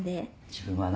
自分はな